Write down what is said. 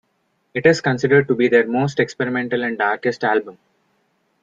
It is considered to be their most experimental and darkest album.